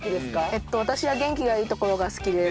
えっと私は元気がいいところが好きです。